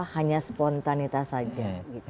hanya spontanitas saja